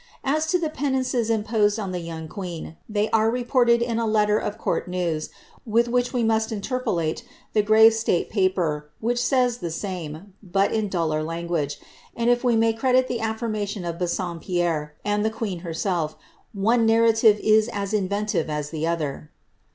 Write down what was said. As to the penances im posed on the young queen, they are reported in a letter of court news, with which we must interpolate the grave state paper, which says the same, but in duller language ; and if we may credit the affirmation of Bassompierre, and the queen herself, one narrative is as inventive as the other.